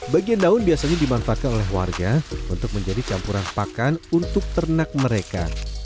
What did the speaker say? bagian daun biasanya dimanfaatkan oleh warga untuk menjadi campuran pakan untuk ternak mereka